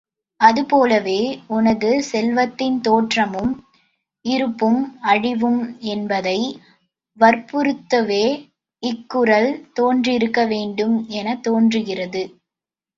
அதுபோலவே உனது செல்வத்தின் தோற்றமும் இருப்பும் அழிவும் என்பதை வற்புறுத்தவே, இக் குறள் தோன்றியிருக்க வேண்டும் எனத் தோன்றுகிறது.